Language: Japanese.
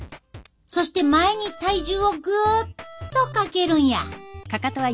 そして前に体重をぐっとかけるんや。